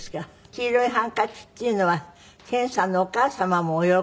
『黄色いハンカチ』っていうのは健さんのお母様もお喜びになったんですって？